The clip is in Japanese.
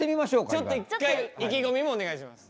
ちょっと一回意気込みもお願いします。